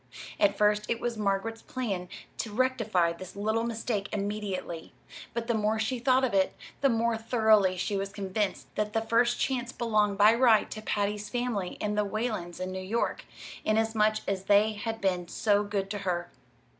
At first, it was Margaret's plan to rectify this little mistake immediately; but the more she thought of it, the more thoroughly was she convinced that the first chance belonged by right to Patty's family and the Whalens in New York, inasmuch as they had been so good to her.